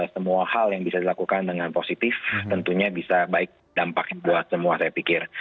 semua hal yang bisa dilakukan dengan positif tentunya bisa baik dampaknya buat semua saya pikir